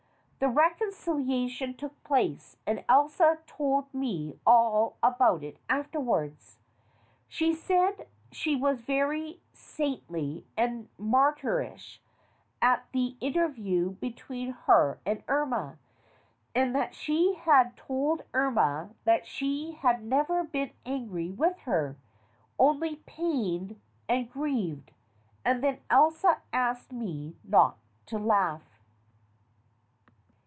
The reconciliation took place, and Elsa told me all about it afterwards. She said she was very saintly and martyrish at the interview between her and Irma, and that she had told Irma that she had never been angry with her only pained and grieved. And then Elsa asked me not to laugh.